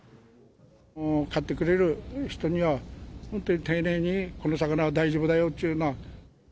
もう買ってくれる人には、本当に丁寧にこの魚は大丈夫だよというような。